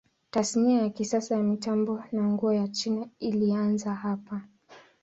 Tasnia ya kisasa ya mitambo na nguo ya China ilianza hapa.